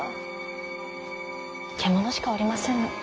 獣しかおりませぬ。